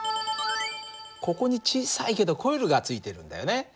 ここに小さいけどコイルがついているんだよね。